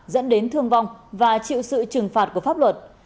dẫn đến thương vong và chịu sự trừng phạt của pháp luật